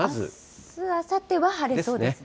あす、あさっては晴れそうですね。